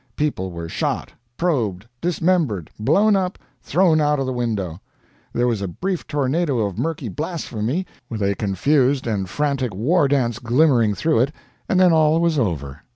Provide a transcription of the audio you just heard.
People were shot, probed, dismembered, blown up, thrown out of the window. There was a brief tornado of murky blasphemy, with a confused and frantic war dance glimmering through it, and then all was over.